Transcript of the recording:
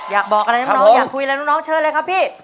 อยากบอกอะไรน้องน้องอยากพูดอะไรน้องน้องเชิญเลยครับพี่